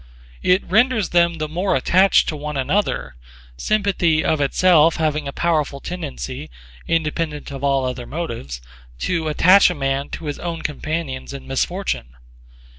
It renders them the more attached to one another, sympathy of itself having a powerful tendency, independent of all other motives, to attach a man to his own companions in misfortune.